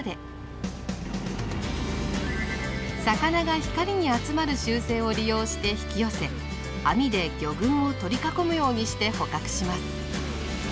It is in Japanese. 魚が光に集まる習性を利用して引き寄せ網で魚群をとり囲むようにして捕獲します。